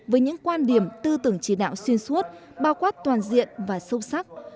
với những quan điểm tư tưởng chỉ đạo xuyên suốt bao quát toàn diện và sâu sắc